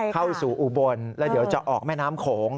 อุบลแล้วเดี๋ยวจะออกแม่น้ำโขง